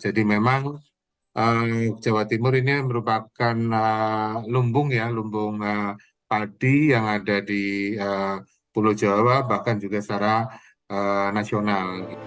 jadi memang jawa timur ini merupakan lumbung padi yang ada di pulau jawa bahkan juga secara nasional